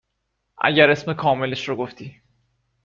اگر اسم کاملش رو گفتی